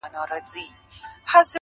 مُلا عزیز دی ټولو ته ګران دی!.